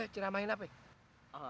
teramain apa ya